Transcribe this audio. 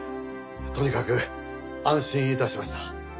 とにかく安心致しました。